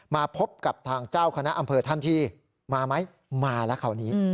มาพบกับทางเจ้าคณะอำเภอท่านที่มาไหมมาแล้วคราวนี้